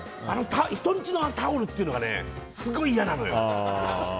人の家のタオルっていうのがすごい嫌なのよ。